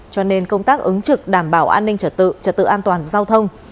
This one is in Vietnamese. cho nên công tác ứng trực đảm bảo an ninh trật tự trật tự an toàn giao thông